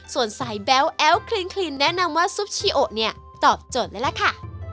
ส่วนสายแบ๊วแอ้วคลินแนะนำว่าซุปชีโอเนี่ยตอบโจทย์เลยล่ะค่ะ